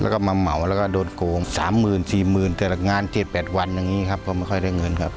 แล้วก็มาเหมาแล้วก็โดนโกง๓๔๐๐๐แต่ละงาน๗๘วันอย่างนี้ครับก็ไม่ค่อยได้เงินครับ